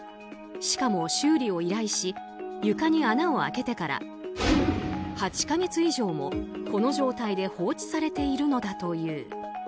しかも修理を依頼し床に穴を開けてから８か月以上もこの状態で放置されているのだという。